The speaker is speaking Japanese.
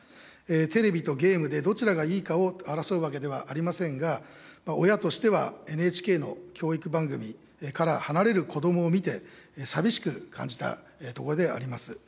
テレビとゲームでどちらがいいかを争うわけではありませんが、親としてはＮＨＫの教育番組から離れる子どもを見て、寂しく感じたところであります。